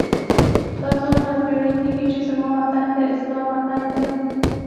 دا څوارلس پیړۍ کېږي چې زما وطن د اسلام وطن دی.